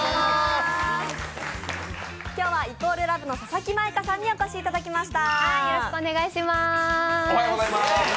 今日は＝ＬＯＶＥの佐々木舞香さんにお越しいただきました。